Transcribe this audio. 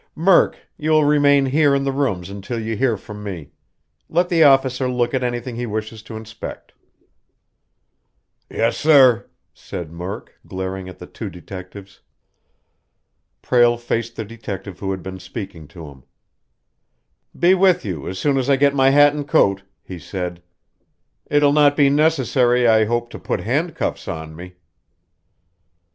"Murk, you will remain here in the rooms until you hear from me. Let the officer look at anything he wishes to inspect." "Yes, sir," said Murk, glaring at the two detectives. Prale faced the detective who had been speaking to him. "Be with you as soon as I get my hat and coat," he said. "It'll not be necessary, I hope, to put handcuffs on me."